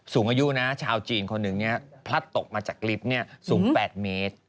สูงอายุนะชาวจีนคนหนึ่งพลัดตกมาจากลิฟต์สูง๘เมตร